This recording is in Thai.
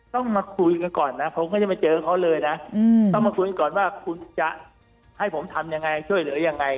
ต้องมาคุยกันก่อนนะผมก็จะมาเจอเขาเลยนะต้องมาคุยกันก่อนว่าคุณจะให้ผมทำยังไงช่วยเหลือยังไง